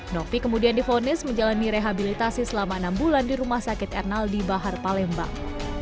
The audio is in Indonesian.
novi kemudian difonis menjalani rehabilitasi selama enam bulan di rumah sakit ernaldi bahar palembang